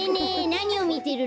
なにをみてるの？